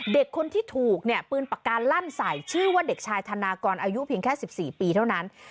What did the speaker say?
เด็กคนที่ถูกเนี่ยปืนปากกาลั่นใส่ชื่อว่าเด็กชายธนากรอายุเพียงแค่๑๔ปีเท่านั้น